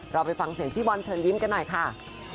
เราไปฟังเสียงพี่บอลเชิญยิ้มกันหน่อยค่ะ